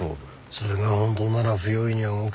それが本当なら不用意には動けねえな。